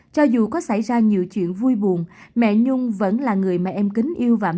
cho dù có xảy ra nhiều chuyện vui buồn mẹ nhung vẫn là người mẹ em kính